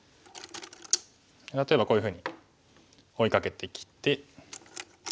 例えばこういうふうに追いかけてきて。